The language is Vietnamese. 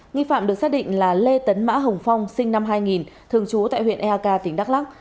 nghi phạm được xác định là lê tấn mã hồng phong sinh năm hai nghìn thường trú tại huyện eak tỉnh đắk lắc